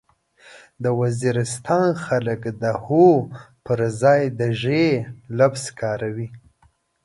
د وزيرستان خلک د هو پرځای د ژې لفظ کاروي.